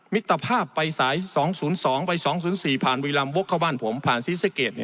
มิตรภาพไปสาย๒๐๒ไป๒๐๔ผ่านวีรามโว๊คเข้าบ้านผมผ่านซีซ่าเกด